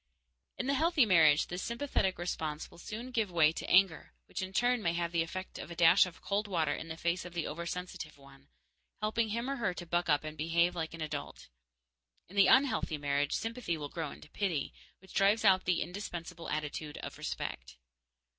In the healthy marriage, this sympathetic response will soon give way to anger, which in turn may have the effect of a dash of cold water in the face of the oversensitive one, helping him or her to buck up and behave like an adult. In the unhealthy marriage, sympathy will grow into pity, which drives out the indispensable attitude of respect.